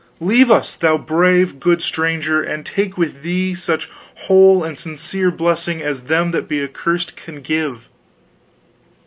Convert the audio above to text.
Leave us, thou brave, good stranger, and take with thee such whole and sincere blessing as them that be accursed can give."